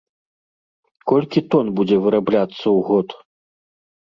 Колькі тон будзе вырабляцца ў год?